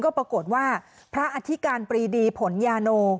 ก็ปรากฏว่าพระอธิการปรีดีผลยาโน